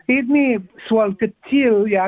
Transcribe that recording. ini sual kecil ya